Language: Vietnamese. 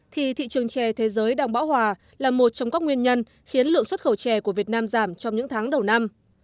thì thị trường chè thế giới đang bão hòa là một trong các nguyên nhân khiến lượng xuất khẩu chè của việt nam giảm trong những tháng đầu năm